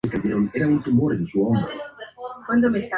Se encuentra en Estonia y Rusia.